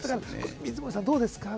水森さん、どうですか？